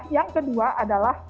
yang kedua adalah